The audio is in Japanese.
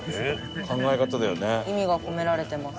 意味が込められてます。